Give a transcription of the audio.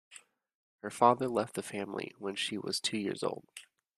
Her father left the family when she was two years old.